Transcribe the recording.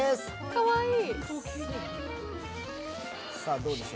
かわいい。